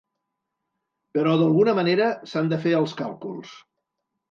Però d’alguna manera s’han de fer els càlculs.